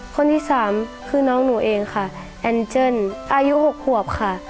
คนที่สามคือน้องหนูเองค่ะแอนเจิ้นอายุ๖ขวบค่ะ